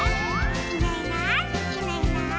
「いないいないいないいない」